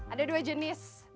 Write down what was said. ada dua jenis benteng